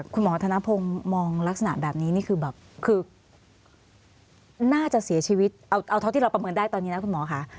คุณหมอธนพงศ์มองลักษณะแบบนี้นี่คือแบบคือน่าจะเสียชีวิตเอาเท่าที่เราประเมินได้ตอนนี้นะคุณหมอค่ะ